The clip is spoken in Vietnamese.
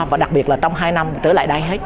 và đặc biệt là trong hai năm trở lại đây hết